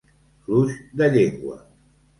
Fluix de llengua.